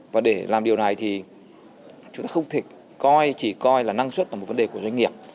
và để làm điều này thì chúng ta không thể coi chỉ coi là năng suất là một vấn đề của doanh nghiệp